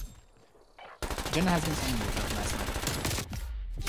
Jenna has been telling me about last night.